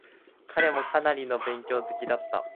彼もかなりの勉強好きだった。